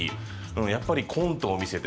やっぱりコントを見せてコントで笑